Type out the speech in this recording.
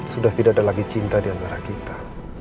sudah tidak ada lagi cinta diantara kita